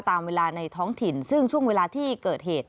ตามเวลาในท้องถิ่นซึ่งช่วงเวลาที่เกิดเหตุ